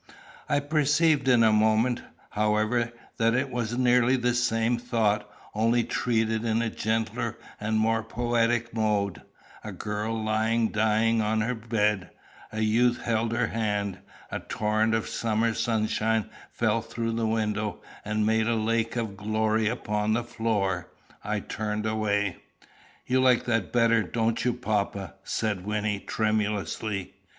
I perceived in a moment, however, that it was nearly the same thought, only treated in a gentler and more poetic mode. A girl lay dying on her bed. A youth held her hand. A torrent of summer sunshine fell through the window, and made a lake of glory upon the floor. I turned away. "You like that better, don't you, papa?" said Wynnie tremulously.